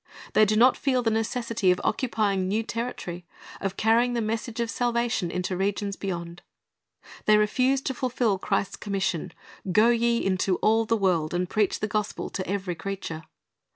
They do not feel the necessity of occupying new territory, carrying the message of salvation into regions beyond. They refuse to fulfil Christ's commission, "Go ye into all the world, and preach the gospel to every creature."